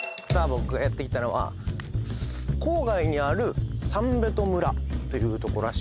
僕がやって来たのは郊外にあるサンベト村というとこらしいです